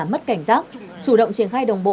mất cảnh giác chủ động triển khai đồng bộ